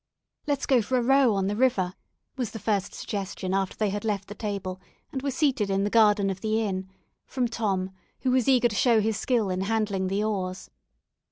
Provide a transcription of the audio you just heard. "Let's go for a row on the river," was the first suggestion after they had left the table and were seated in the garden of the inn, from Tom, who was eager to show his skill in handling the oars.